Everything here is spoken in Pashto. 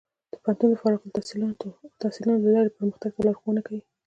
پوهنتون د خپلو فارغ التحصیلانو له لارې پرمختګ ته لارښوونه کوي.